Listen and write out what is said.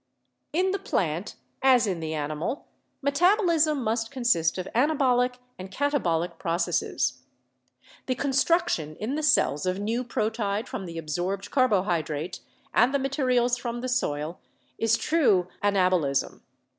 In the plant as in the animal metabolism must consist of anabolic and katabolic processes. The construction in the cells of new proteid from the absorbed carbohydrate and the materials from the soil is true anabolism.